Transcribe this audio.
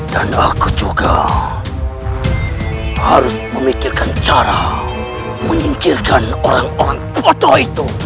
dan aku juga harus memikirkan cara menyingkirkan orang orang bodoh itu